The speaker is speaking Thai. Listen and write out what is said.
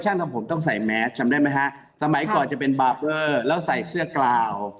ทำผมต้องใส่แมสจำได้ไหมฮะสมัยก่อนจะเป็นบาร์เบอร์แล้วใส่เสื้อกลาว